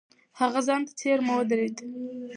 هغه ځان ته څېرمه ودرېد.